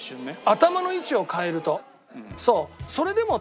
頭の位置を変えると。